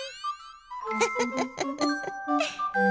フフフフ。